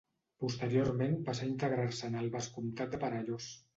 Posteriorment passà a integrar-se en el vescomtat de Perellós.